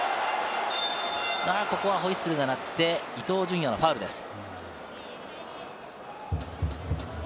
ここはホイッスルが鳴って伊東純也のファウルです。